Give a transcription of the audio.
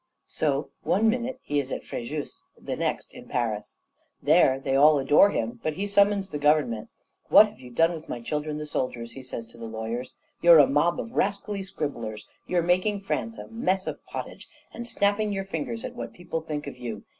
"So, one minute he is at Fréjus, the next in Paris. There, they all adore him; but he summons the government. 'What have you done with my children, the soldiers?' he says to the lawyers. 'You're a mob of rascally scribblers; you are making France a mess of pottage, and snapping your fingers at what people think of you.